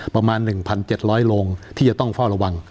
ประมาณหนึ่งพันเจ็ดร้อยโรงที่จะต้องเฝ้าระวัง